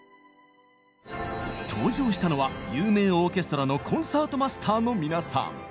登場したのは有名オーケストラのコンサートマスターの皆さん。